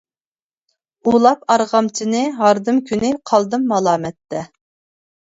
ئۇلاپ ئارغامچىنى ھاردىم كۈنى قالدىم مالامەتتە.